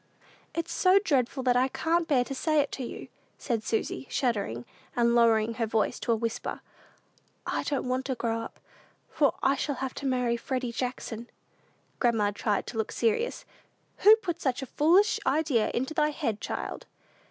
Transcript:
It's so dreadful that I can't bear to say it to you," said Susy, shuddering, and lowering her voice to a whisper; "I don't want to grow up, for I shall have to marry Freddy Jackson." Grandma tried to look serious. "Who put such a foolish idea into thy head, child?"